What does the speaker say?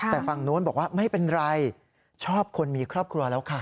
แต่ฝั่งโน้นบอกว่าไม่เป็นไรชอบคนมีครอบครัวแล้วค่ะ